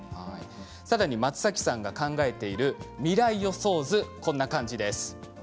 さらに松崎さんが考えている未来予想図、こんな感じです。